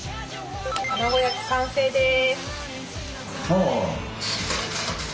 卵焼き完成です！